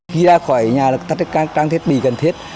khi ra khỏi nhà là tắt các trang thiết bị cần thiết